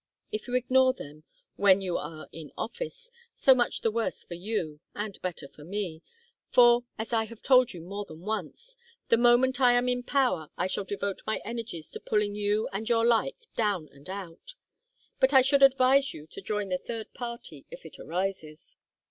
If you ignore them when you are in office, so much the worse for you, and better for me; for, as I have told you more than once, the moment I am in power I shall devote my energies to pulling you and your like down and out. But I should advise you to join the third party if it arises."